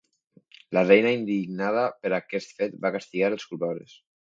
La reina, indignada per aquest fet, va castigar els culpables.